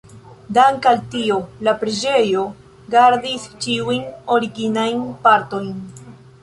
Dank' al tio la preĝejo gardis ĉiujn originajn partojn.